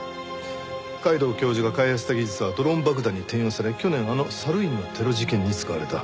皆藤教授が開発した技術はドローン爆弾に転用され去年あのサルウィンのテロ事件に使われた。